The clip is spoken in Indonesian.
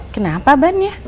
kenapa ban nya